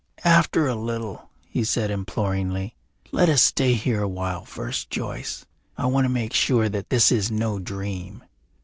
"After a little," he said imploringly. "Let us stay here awhile first, Joyce. I want to make sure that this is no dream.